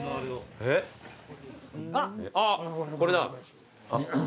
あっこれだ。